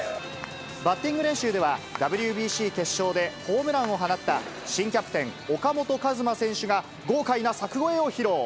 バッティング練習では、ＷＢＣ決勝でホームランを放った、新キャプテン、岡本和真選手が豪快な柵越えを披露。